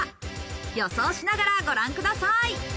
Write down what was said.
予想しながらご覧ください。